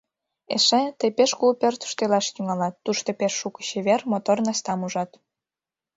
Эше, тый пеш кугу пӧртыштӧ илаш тӱҥалат, тушто пеш шуко чевер, мотор настам ужат.